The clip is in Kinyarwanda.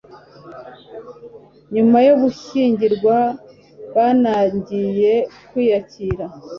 Nyuma yo gushyingirwa banajyiye kwiyakira